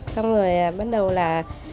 xong rồi bắt đầu là